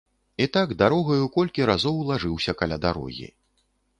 І так дарогаю колькі разоў лажыўся каля дарогі.